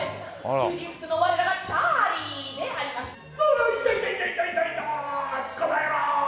「囚人服の我らがチャーリーであります」「いたいたいたいた！捕まえろ！」